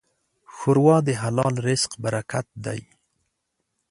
ښوروا د حلال رزق برکت ده.